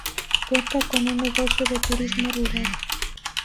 Cuenta con un negocio de turismo rural.